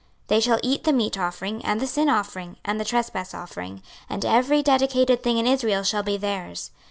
26:044:029 They shall eat the meat offering, and the sin offering, and the trespass offering: and every dedicated thing in Israel shall be theirs.